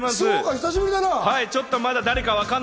久しぶりだな。